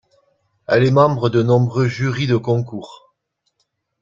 Elle est membre de nombreux jurys de concours.